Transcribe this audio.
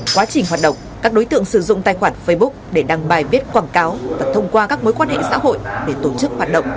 quá trình hoạt động các đối tượng sử dụng tài khoản facebook để đăng bài viết quảng cáo và thông qua các mối quan hệ xã hội để tổ chức hoạt động